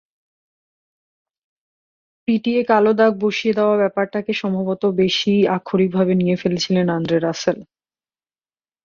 পিটিয়ে কালো দাগ বসিয়ে দেওয়া—ব্যাপারটাকে সম্ভবত বেশিই আক্ষরিকভাবে নিয়ে ফেলেছিলেন আন্দ্রে রাসেল।